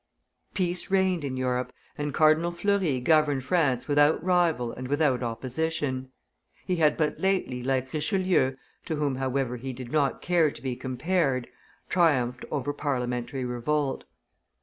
Peace reigned in Europe, and Cardinal Fleury governed France without rival and without opposition. He had but lately, like Richelieu, to whom, however, he did not care to be compared, triumphed over parliamentary revolt.